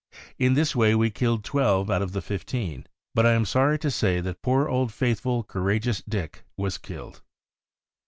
In this way we killed twelve out of the fifteen; but I am sorry to say that poor old, faithful, courageous Dick was killed."